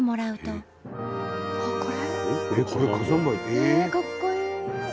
ええかっこいい！